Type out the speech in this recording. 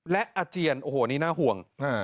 และอาเจียนโอ้โหนี่น่าห่วง